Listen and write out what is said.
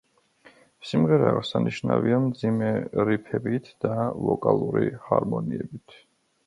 სიმღერა აღსანიშნავია მძიმე რიფებით და ვოკალური ჰარმონიებით.